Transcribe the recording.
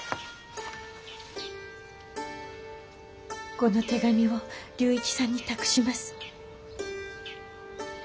この手紙を龍一さんに託します。